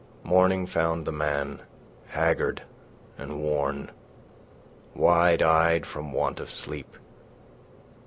Morning found the man haggard and worn, wide eyed from want of sleep.